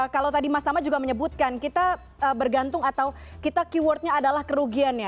kalau tadi mas tama juga menyebutkan kita bergantung atau kita keywordnya adalah kerugiannya